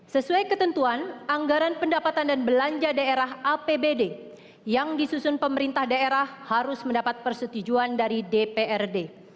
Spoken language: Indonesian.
sesuai ketentuan anggaran pendapatan dan belanja daerah apbd yang disusun pemerintah daerah harus mendapat persetujuan dari dprd